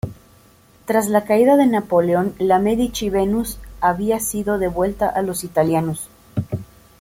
Tras la caída de Napoleón, la "Medici Venus" había sido devuelta a los italianos.